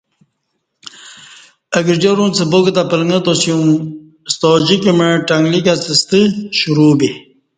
اہ گرجار اُنڅ باک تہ پلݣہ تا سیوم ستاجِک مع ٹنگلیک اڅہ ستہ شروع بے